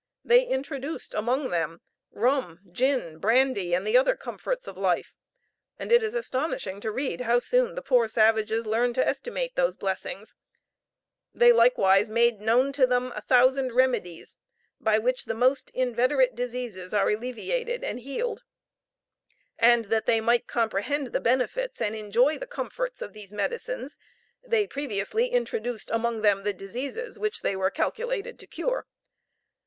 They introduced among them rum, gin, brandy, and the other comforts of life and it is astonishing to read how soon the poor savages learn to estimate those blessings they likewise made known to them a thousand remedies, by which the most inveterate diseases are alleviated and healed; and that they might comprehend the benefits and enjoy the comforts of these medicines, they previously introduced among them the diseases which they were calculated to cure.